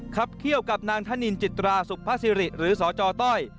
เขี้ยวกับนางธนินจิตราสุภาษิริหรือสจต้อย